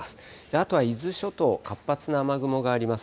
あとは伊豆諸島、活発な雨雲があります。